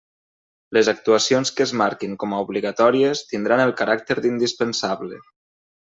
Les actuacions que es marquin com a obligatòries, tindran el caràcter d'indispensable.